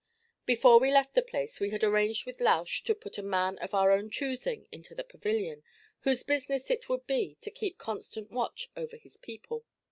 Before we left the place we had arranged with Lausch to put a man of our own choosing into the pavilion, whose business it would be to keep constant watch over his people.